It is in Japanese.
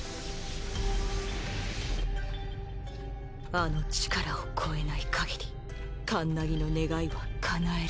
あの力を超えないかぎりカンナギの願いは叶えられない